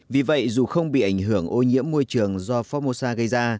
vì vậy dù không bị ảnh hưởng ô nhiễm môi trường do formosa gây ra